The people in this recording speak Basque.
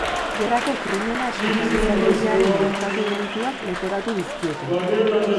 Gerrako krimenak eta gizateriaren aurkako delituak leporatu dizkiote.